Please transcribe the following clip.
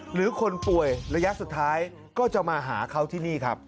หรือคนป่วยระยะสุดท้ายก็จะมาหาเขาที่นี่ครับ